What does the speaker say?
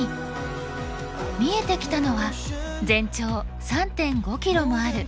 見えてきたのは全長３．５ｋｍもある伊良部大橋です。